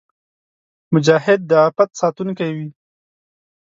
مجاهد د عفت ساتونکی وي.